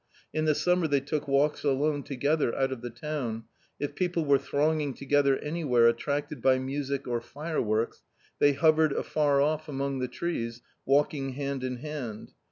In the summer they took walks alone together out of the town ; if people were thronging together anywhere attracted by music, or fireworks, they hovered afar off among the trees, walking hand in hand.